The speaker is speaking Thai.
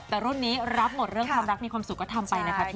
แต่รุ่นนี้รับหมดเรื่องความรักมีความสุขก็ทำไปนะคะ